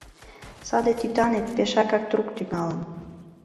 Саде тӱтанет пешакак трук тӱҥалын.